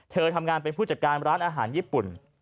เธอทำงานเป็นผู้จัดการร้านอาหารญี่ปุ่น